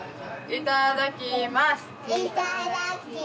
いただきます！